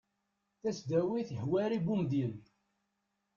tasdawit hwari bumedyen